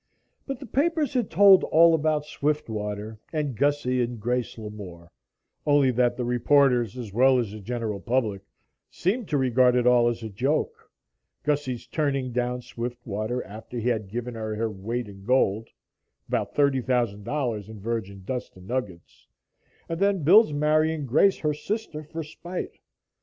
But the papers had told all about Swiftwater and Gussie and Grace Lamore only that the reporters, as well as the general public, seemed to regard it all as a joke Gussie's turning down Swiftwater after he had given her her weight in gold about $30,000 in virgin dust and nuggets and then Bill's marrying Grace, her sister, for spite.